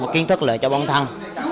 kiến thức lợi cho bản thân